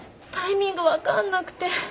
タイミング分かんなくて。